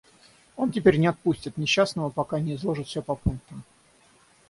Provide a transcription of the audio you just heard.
Он теперь не отпустит несчастного, пока не изложит всё по пунктам.